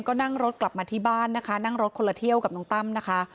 ก็นั่งรถกลับมาที่บ้านนะคะนั่งรถคนละเที่ยวกับน้องตั้มนะคะ